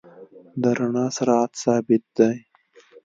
د رڼا سرعت ثابت دی.